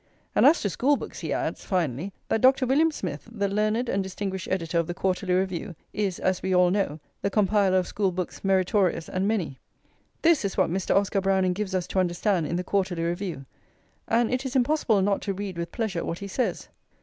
And as to school books he adds, finally, that Dr. William Smith, the learned and distinguished editor of the Quarterly Review, is, as we all know, [xiii] the compiler of school books meritorious and many. This is what Mr. Oscar Browning gives us to understand in the Quarterly Review, and it is impossible not to read with pleasure what he says.